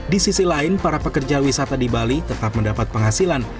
di sisi lain para pekerja wisata di bali tetap mendapat penghasilan